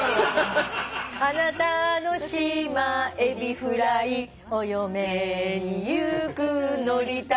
「あなたの島エビフライお嫁にゆくのりたま」